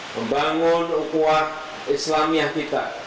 membangun ukwah islamiah kita